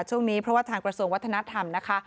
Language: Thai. ช่วงนี้เพราะว่าทางกระทรวงวัฒนธรรมนะคะ